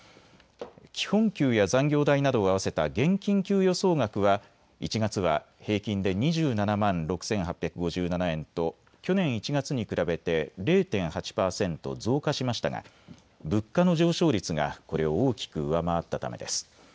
基本給や残業代などを合わせた現金給与総額は１月は平均で２７万６８５７円と去年１月に比べて０．８％増加しましたが物価の上昇率がこれを大きく上回ったためです。